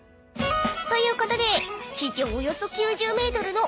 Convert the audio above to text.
［ということで］